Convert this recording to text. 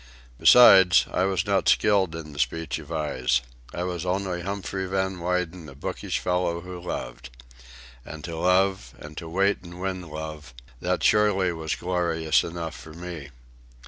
Besides, I was not skilled in the speech of eyes. I was only Humphrey Van Weyden, a bookish fellow who loved. And to love, and to wait and win love, that surely was glorious enough for me.